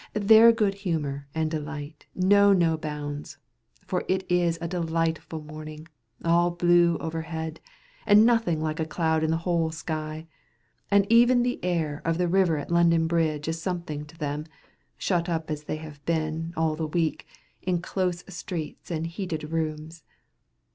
Their good humour and delight know no bounds—for it is a delightful morning, all blue over head, and nothing like a cloud in the whole sky; and even the air of the river at London Bridge is something to them, shut up as they have been, all the week, in close streets and heated rooms.